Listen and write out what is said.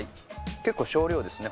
結構少量ですね